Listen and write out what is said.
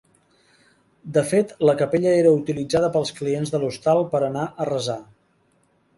De fet la capella era utilitzada pels clients de l'hostal per anar a resar.